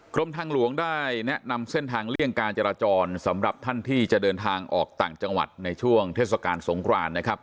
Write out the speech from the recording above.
กรมทางหลวงได้แนะนำเส้นทางเลี่ยงการจราจรสำหรับท่านที่จะเดินทางออกต่างจังหวัดในช่วงเทศกาลสงครานนะครับ